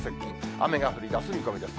雨が降りだす見込みです。